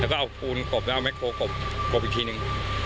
แล้วก็เอาภูมิกบแล้วเอาแม็กโครบบีกบอีกทีหนึ่ง